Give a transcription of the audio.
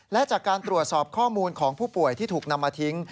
และจากการตรวจสอบข้อมูลของผู้ป่วยที่ถูกนำมาทิ้ง